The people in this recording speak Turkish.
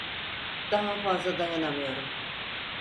Daha fazla dayanamıyorum!